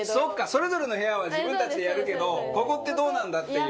それぞれの部屋は自分たちでやるけどここってどうなんだ？っていう。